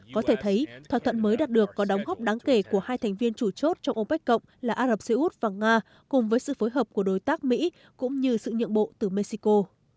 có thể thấy thỏa thuận mới đạt được có đóng góp đáng kể của hai thành viên chủ chốt trong opec cộng là ả rập xê út và nga cùng với sự phối hợp của đối tác mỹ cũng như sự nhượng bộ từ mexico